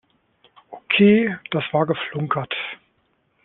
Okay, das war geflunkert.